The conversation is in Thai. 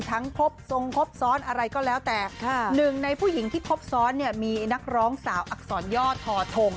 ครบทรงครบซ้อนอะไรก็แล้วแต่หนึ่งในผู้หญิงที่ครบซ้อนเนี่ยมีนักร้องสาวอักษรย่อทอทง